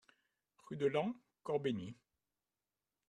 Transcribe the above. Rue de Laon, Corbeny